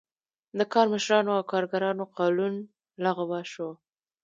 د کارمشرانو او کارګرانو قانون لغوه شو.